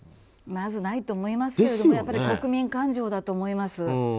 まずないと思いますけれども国民感情だと思います。